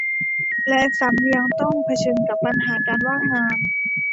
และซ้ำยังต้องเผขิญกับปัญหาการว่างงาน